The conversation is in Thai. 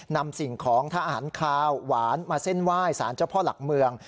สิ่งของทหารคาวหวานมาเส้นไหว้สารเจ้าพ่อหลักเมือง